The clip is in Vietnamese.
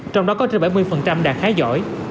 trong đó có trên bảy mươi đạt khái giỏi